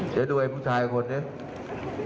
เดี๋ยวดูไอ้ผู้ชายคนนี้